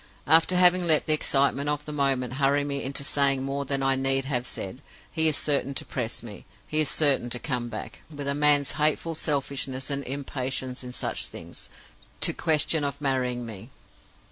After having let the excitement of the moment hurry me into saying more than I need have said, he is certain to press me; he is certain to come back, with a man's hateful selfishness and impatience in such things, to the question of marrying me.